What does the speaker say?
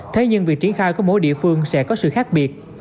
thế nhưng việc triển khai của mỗi địa phương sẽ có sự khác biệt